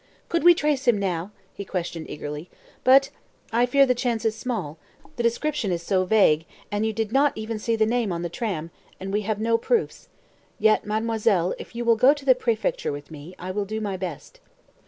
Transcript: "Could we trace him now?" he questioned eagerly. "But I fear the chance is small the description is so vague, and you did not even see the name on the tram, and we have no proofs. Yet, mademoiselle, if you will go to the préfecture with me, I will do my best."